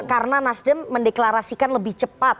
karena nasjid mendeklarasikan lebih cepat